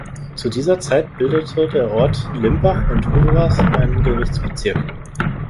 Zu dieser Zeit bildete der Ort Limbach und Houverath ein Gerichtsbezirk.